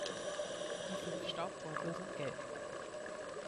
Die fünf Staubbeutel sind gelb.